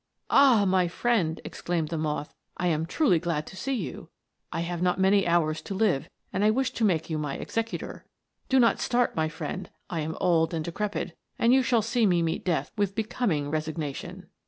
" Ah, my friend !" exclaimed the moth, " I am truly glad to see you ; I have not many hours to live, and I wish to make you my executor. Do not start, my friend, I am old and decrepit, and you shall see me meet death with becoming resigna tion."